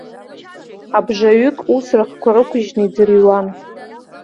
Абжаҩык ус рыхқәа рықәыжьны иӡырҩуан.